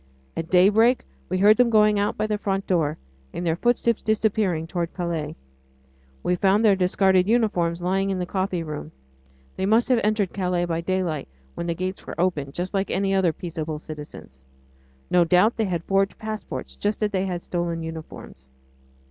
At daybreak we heard them going out by the front door, and their footsteps disappearing toward Calais. We found their discarded uniforms lying in the coffee room. They must have entered Calais by daylight, when the gates were opened just like other peaceable citizens. No doubt they had forged passports, just as they had stolen uniforms.